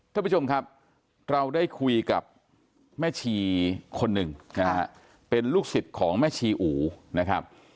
ท่านผู้ชมครับเราได้คุยกับแม่ชีคนหนึ่งนะฮะเป็นลูกศิษย์ของแม่ชีอูนะครับ